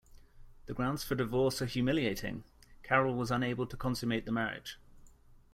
The grounds for divorce are humiliating: Karol was unable to consummate the marriage.